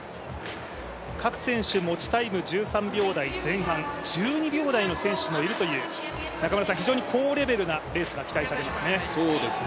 各選手、持ちタイム１３秒台前半、１２秒台の選手もいるという、非常に高レベルなレースが期待されますね。